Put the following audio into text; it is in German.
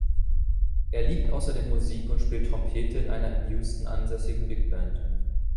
Er liebt außerdem Musik und spielt Trompete in einer in Houston ansässigen Big Band.